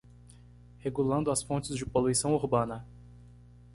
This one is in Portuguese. Regulando as fontes de poluição urbana